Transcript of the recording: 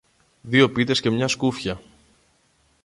δυο πίτες και μια σκούφια.